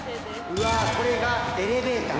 うわこれがエレベーター。